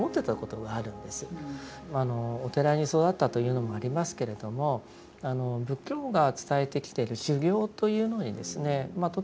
まああのお寺に育ったというのもありますけれども仏教が伝えてきてる修行というのにとても関心を持ちました。